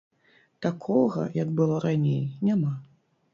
Такога, як было раней, няма.